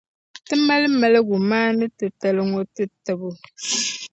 Ti mali maligumaani’ titali ŋɔ tatabo.